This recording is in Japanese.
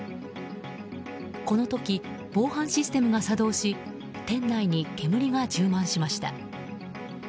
この時、防犯システムが作動し店内に煙が充満しました。